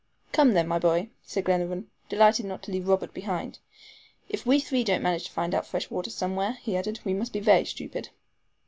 "Come, then, my boy," said Glenarvan, delighted not to leave Robert behind. "If we three don't manage to find out fresh water somewhere," he added, "we must be very stupid."